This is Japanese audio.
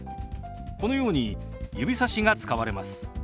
このように指さしが使われます。